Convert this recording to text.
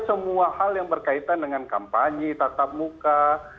semua hal yang berkaitan dengan kampanye tatap muka